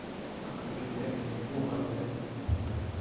Aqli-iyi la d-ḥemmuɣ aman.